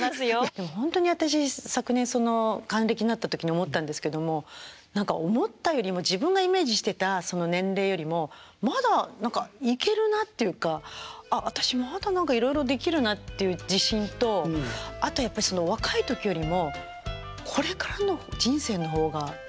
でもほんとに私昨年還暦になった時に思ったんですけども何か思ったよりも自分がイメージしてたその年齢よりもまだいけるなっていうかあっ私まだいろいろできるなっていう自信とあとやっぱりその若い時よりもこれからの人生の方が何かワクワク楽しいんですよ。